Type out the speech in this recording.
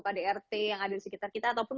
kdrt yang ada di sekitar kita ataupun